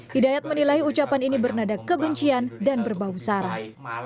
hidayat menilai ucapan ini bernada kebencian dan berbau sarah